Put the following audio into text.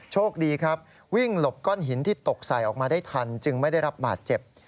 โชคดีครับวิ่งหลบก้อนหินที่ตกใส่ออกมาได้ทันจึงไม่ได้รับบาดเจ็บ